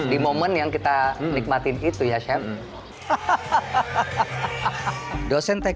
di momen yang kita nikmatin itu ya chef